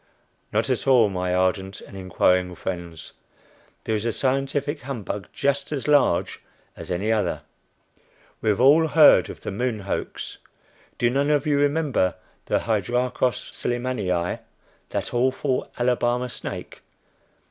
Not at all, my ardent and inquiring friends, there is a scientific humbug just as large as any other. We have all heard of the Moon Hoax. Do none of you remember the Hydrarchos Sillimannii, that awful Alabama snake?